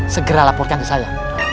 segera laporkan ke saya